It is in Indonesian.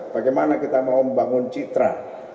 bagaimana kita mau membangun citra